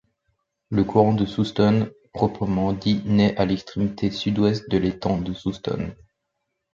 Le courant de Soustons proprement dit nait à l'extrémité sud-ouest de l'étang de Soustons.